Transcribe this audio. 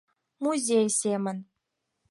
Музей семын.